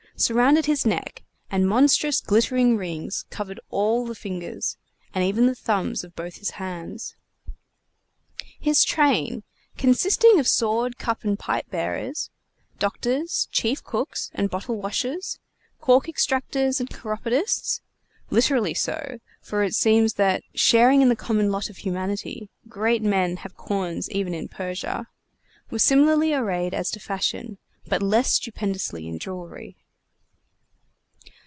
surrounded his neck, and monstrous glittering rings covered all the fingers, and even the thumbs of both his hands. His train, consisting of sword, cup, and pipe bearers, doctors, chief cooks, and bottle washers, cork extractors and chiropodists (literally so, for it seems that sharing the common lot of humanity, great men have corns even in Persia,) were similarly arrayed as to fashion, but less stupendously in jewelry.